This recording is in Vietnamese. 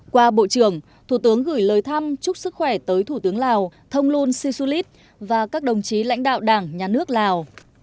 qua bộ trưởng thủ tướng gửi lời thăm chúc sức khỏe tới thủ tướng lào thông luân si su lít và các đồng chí lãnh đạo đảng nhà nước lào